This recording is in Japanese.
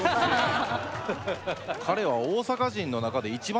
彼は。